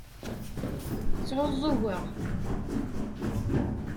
Sɛuẓẓugeɣ.